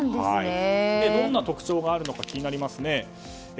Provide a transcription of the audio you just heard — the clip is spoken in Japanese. どんな特徴があるのか気になりますね。